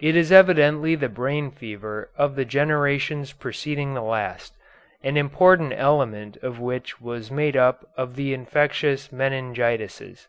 It is evidently the brain fever of the generations preceding the last, an important element of which was made up of the infectious meningitises.